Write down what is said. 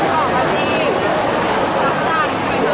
นั่งคุยเจ้าจี้กว่า